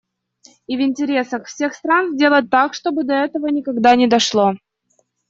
И в интересах всех стран сделать так, чтобы до этого никогда не дошло.